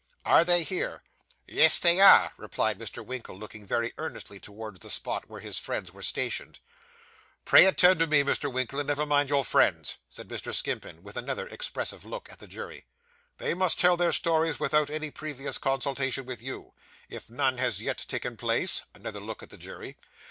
'Are they here?' Yes, they are,' replied Mr. Winkle, looking very earnestly towards the spot where his friends were stationed. 'Pray attend to me, Mr. Winkle, and never mind your friends,' said Mr. Skimpin, with another expressive look at the jury. 'They must tell their stories without any previous consultation with you, if none has yet taken place (another look at the jury).